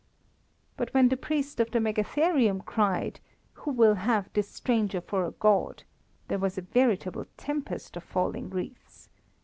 But when the priest of the megatherium cried: "Who will have this stranger for a god?" there was a veritable tempest of falling wreaths.